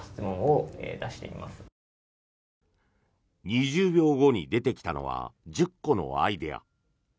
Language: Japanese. ２０秒後に出てきたのは１０個のアイデア。